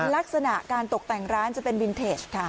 ลักษณะการตกแต่งร้านจะเป็นวินเทจค่ะ